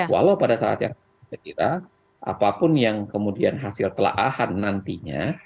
walau pada saat yang setelah apapun yang kemudian hasil kelaahan nantinya